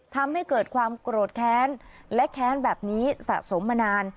ทำให้เกิดความโกรธแค้นและแค้นแบบนี้สะสมมานาน